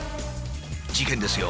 事件ですよ。